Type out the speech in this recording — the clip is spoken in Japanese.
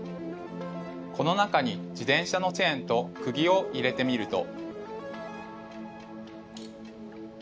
この中に自転車のチェーンとくぎを入れてみると。